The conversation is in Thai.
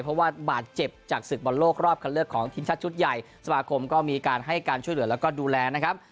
เพราะว่าบาดเจ็บจากศึกบอลโลกรอบคันเลือกของทีมชาติชุดใหญ่สมาคมก็มีการให้การช่วยเหลือแล้วก็ดูแลนะครับ